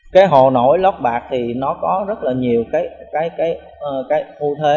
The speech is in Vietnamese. cái hồ nổi lót bạc thì nó có rất là nhiều cái ưu thế